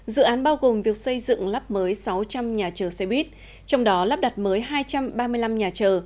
dự án bao gồm việc xây dựng lắp mới sáu trăm linh nhà chờ xe buýt trong đó lắp đặt mới hai trăm ba mươi năm nhà chờ